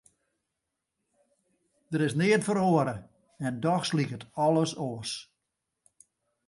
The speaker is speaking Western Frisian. Der is neat feroare en dochs liket alles oars.